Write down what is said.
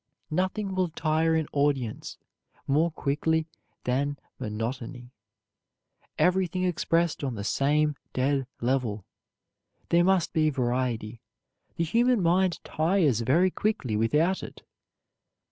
Nothing will tire an audience more quickly than monotony, everything expressed on the same dead level. There must be variety; the human mind tires very quickly without it.